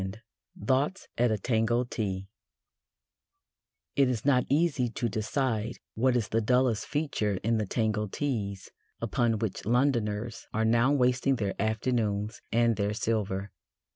IV THOUGHTS AT A TANGO TEA It is not easy to decide what is the dullest feature in the Tango Teas upon which Londoners are now wasting their afternoons and their silver.